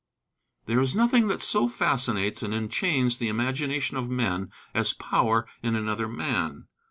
There is nothing that so fascinates and enchains the imagination of men as power in another man.